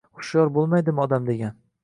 Hushyor boʻlmaydimi odam degan?”